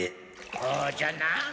こうじゃな。